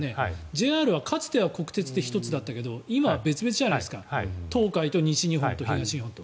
ＪＲはかつては国鉄で１つだったけど今は別々じゃないですか東海と西日本と東日本と。